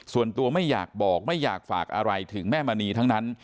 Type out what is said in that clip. ส่วนตัวไม่อยากบอกไม่อยากฝากอะไรถึงแม่มณีทั้งนั้น